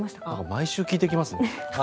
毎週聞いてきますね。